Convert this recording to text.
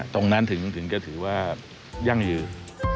ตรงนั้นถึงก็ถือว่ายั่งยืน